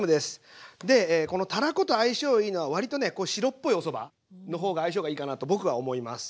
でこのたらこと相性いいのは割とね白っぽいおそばの方が相性がいいかなと僕は思います。